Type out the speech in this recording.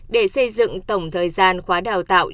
để xây dựng tổng thời gian khóa đào tạo